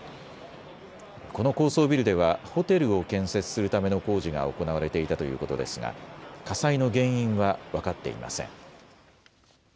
この高層ビルではホテルを建設するための工事が行われていたということですが火災の原因は分かっていません。